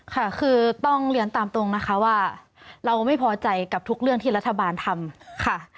ค่ะคือต้องเรียนตามตรงนะคะว่าเราไม่พอใจกับทุกเรื่องที่รัฐบาลทำค่ะ